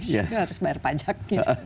harus bayar pajak